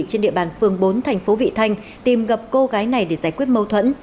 trên địa bàn phương bốn tp vị thanh tìm gặp cô gái này để giải quyết mâu thuẫn